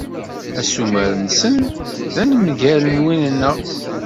Assumer-nsen d anemgal n win-nneɣ.